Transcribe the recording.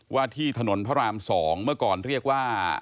ว่าที่ถนนพระราม๒เมื่อก่อนเรียกว่า